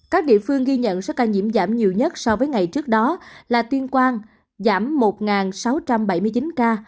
các địa phương ghi nhận số ca nhiễm giảm nhiều nhất so với ngày trước đó là tuyên quang giảm một sáu trăm bảy mươi chín ca